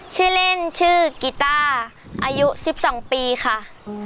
ชื่อเล่นชื่อกีต้าอายุ๑๒ปีค่ะ